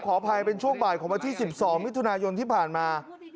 ขออภัยเป็นช่วงบ่ายของวันที่๑๒มิถุนายนที่ผ่านมา